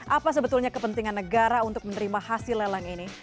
apa sebetulnya kepentingan negara untuk menerima hasil lelang ini